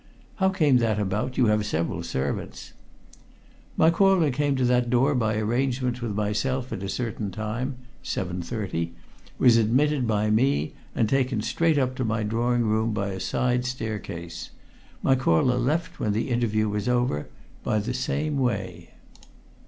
"How came that about? You have several servants." "My caller came to that door by arrangement with myself at a certain time 7.30 was admitted by me, and taken straight up to my drawing room by a side staircase. My caller left, when the interview was over, by the same way."